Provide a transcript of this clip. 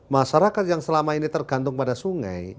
masyarakat yang selama ini tergantung pada sungai